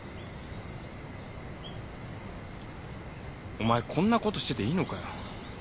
お前こんなことしてていいのかよ？